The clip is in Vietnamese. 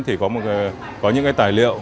thì có những cái tài liệu